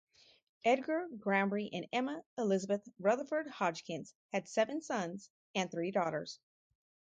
Edgar Grambry and Emma Elizabeth Rutherford Hodgkins had seven sons and three daughters.